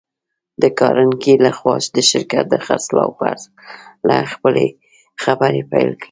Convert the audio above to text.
د کارنګي لهخوا د شرکت د خرڅلاو په هکله خپلې خبرې پيل کړې.